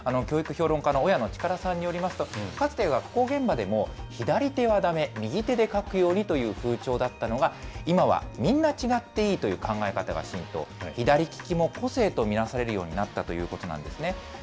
教育評論家の親野智可等さんによりますと、かつて、学校現場でも左手はだめ、右手で書くようにという風潮だったのが、今はみんな違っていいという考え方が浸透、左利きも個性と見なされるようになったということなんですね。